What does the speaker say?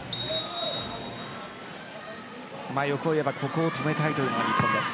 欲を言えばここを止めたいということです。